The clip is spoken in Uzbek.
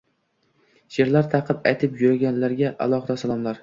She'rlar to'qib aytib yurganlarga alohida salomlar!